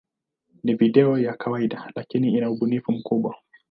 Ni video ya kawaida, lakini ina ubunifu mkubwa.